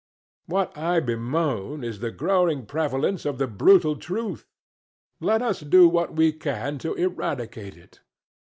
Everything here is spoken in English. What I bemoan is the growing prevalence of the brutal truth. Let us do what we can to eradicate it.